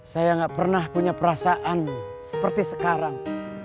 saya gak pernah punya perasaan seperti sekarang